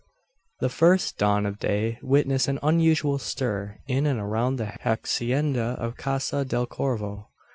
The first dawn of day witnessed an unusual stir in and around the hacienda of Casa del Corvo.